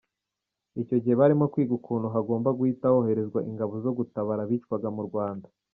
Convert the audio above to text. Icyo gihe, barimo kwiga ukuntu hagomba guhita hoherezwa ingabo zo gutabara abicwaga mu Rwanda.